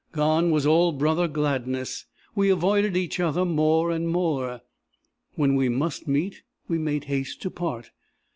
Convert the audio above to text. Gone was all brother gladness. We avoided each other more and more. When we must meet, we made haste to part.